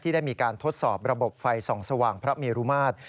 ได้มีการทดสอบระบบไฟส่องสว่างพระเมรุมาตร